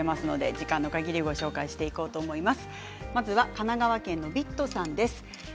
時間のかぎりご紹介していこうと思います。